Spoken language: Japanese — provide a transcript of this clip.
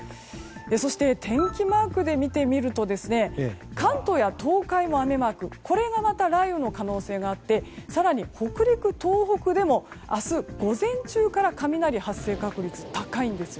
そして天気マークで見てみると関東や東海も雨マークこれがまた雷雨の可能性がありまして更に北陸、東北でも明日午前中から雷発生確率、高いんです。